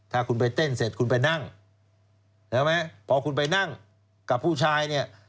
ถ้าคุณไปเต้นเสร็จคุณไปนั่งใช่ไหมพอคุณไปนั่งกับผู้ชายเนี่ย